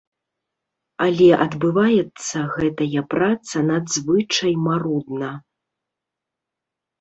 Але адбываецца гэтая праца надзвычай марудна.